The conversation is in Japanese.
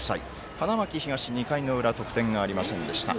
花巻東、２回の裏得点がありませんでした。